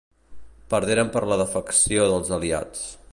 Perderen per la defecció dels aliats.